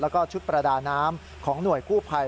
และก็ชุดปรดาน้ำของหน่วยกู้ไภ